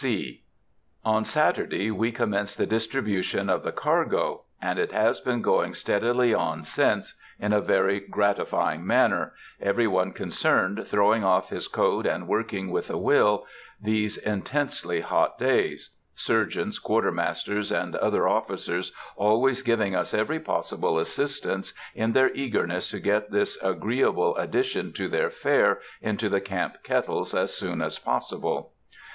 (C.) On Saturday we commenced the distribution of the cargo, and it has been going steadily on since in a very gratifying manner, every one concerned throwing off his coat, and working with a will, these intensely hot days,—surgeons, quartermasters, and other officers, always giving us every possible assistance in their eagerness to get this agreeable addition to their fare into the camp kettles as soon as possible.